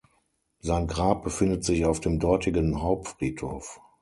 Sein Grab befindet sich auf dem dortigen Hauptfriedhof.